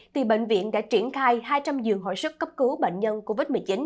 thì bệnh viện đã triển khai hai trăm linh giường hồi sức cấp cứu bệnh nhân covid một mươi chín